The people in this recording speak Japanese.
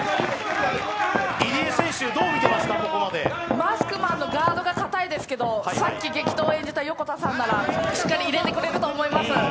マスクマンのガードが堅いですけどさっき激闘を演じた横田さんならしっかり入れていくれると思います。